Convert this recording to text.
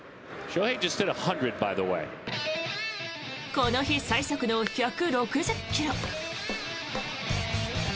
この日最速の１６０ｋｍ。